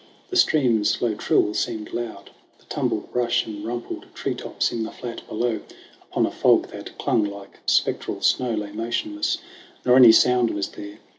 The stream's low trill seemed loud. The tumbled brush And rumpled tree tops in the flat below, Upon a fog that clung like spectral snow, Lay motionless ; nor any sound was there.